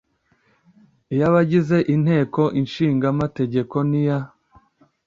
iy abagize Inteko Ishinga Amategeko n iya